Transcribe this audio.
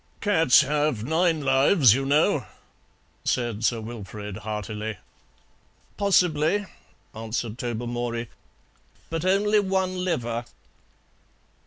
"Cats have nine lives, you know," said Sir Wilfrid heartily. "Possibly," answered Tobermory; "but only one liver."